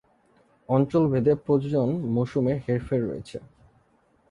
অঞ্চলভেদে প্রজনন মৌসুমের হেরফের রয়েছে।।